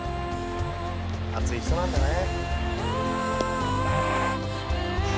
「熱い人なんだね」